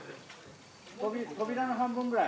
扉の半分ぐらい。